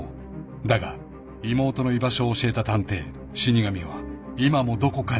［だが妹の居場所を教えた探偵死神は今もどこかにいる］